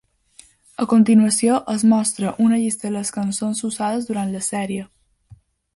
A continuació es mostra una llista de les cançons usades durant la sèrie.